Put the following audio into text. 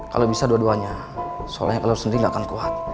kalau bisa dua duanya soalnya telur sendiri nggak akan kuat